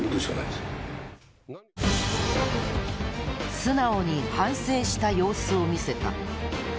素直に反省した様子を見せた。